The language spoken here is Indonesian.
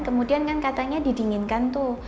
kemudian kan katanya didinginkan tuh